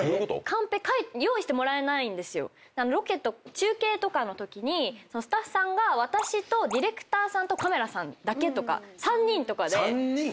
中継とかのときにスタッフさんが私とディレクターさんとカメラさんだけとか。